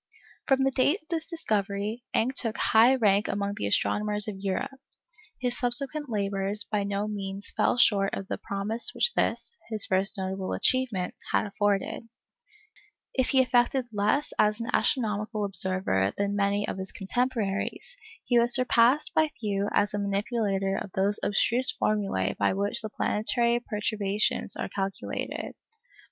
From the date of this discovery, Encke took high rank among the astronomers of Europe. His subsequent labours by no means fell short of the promise which this, his first notable achievement, had afforded. If he effected less as an astronomical observer than many of his contemporaries, he was surpassed by few as a manipulator of those abstruse formulæ by which the planetary perturbations are calculated.